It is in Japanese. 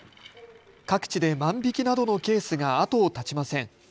各地で万引きなどのケースが後を絶ちません。